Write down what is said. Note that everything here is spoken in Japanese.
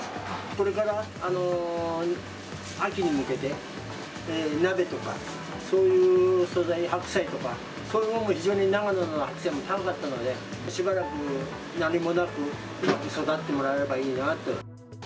これから秋に向けて、鍋とか、そういう素材、白菜とか、そういうものも非常に、長野の白菜も高かったので、しばらく何もなく、うまく育ってもらえればいいなと。